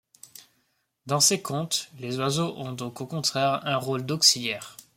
Dans ces contes, les oiseaux ont donc au contraire un rôle d'auxiliaires.